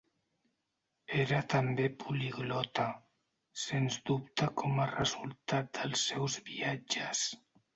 Era també poliglota, sens dubte com a resultat dels seus viatges.